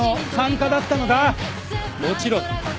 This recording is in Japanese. もちろん。